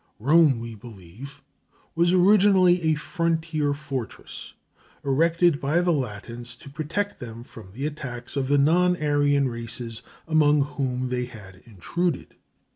Rome, we believe, was originally a frontier fortress erected by the Latins to protect them from the attacks of the non Aryan races among whom they had intruded.